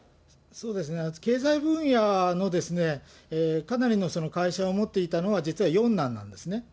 そうですね、経済分野のかなりの会社を持っていたのは、実は四男なんですね。